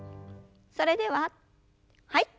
それでははい。